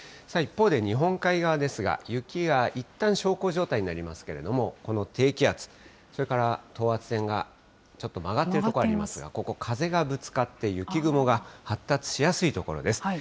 一方で、日本海側ですが、雪はいったん小康状態になりますけれども、この低気圧、それから等圧線がちょっと曲がっている所ありますが、ここ、風がぶつかって、雪雲が発達しやすい所です。